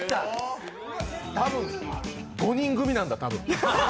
多分５人組なんだ、多分。